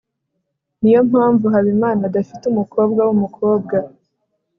niyo mpamvu habimana adafite umukobwa wumukobwa